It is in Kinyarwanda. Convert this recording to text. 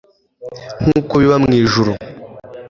Nk uko biba mu ijuru